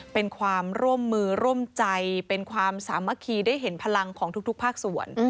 เป็นความร่วมมือร่วมใจเป็นความสามัคคีได้เห็นพลังของทุกภาคส่วน